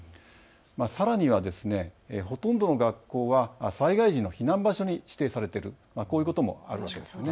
さらにはほとんどの学校は災害時の避難場所に指定されている、こういうこともあります。